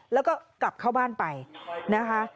แล้วก็กลับเข้าบ้านไปนะคะ